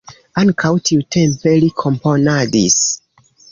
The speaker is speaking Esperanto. Ankaŭ tiutempe li komponadis.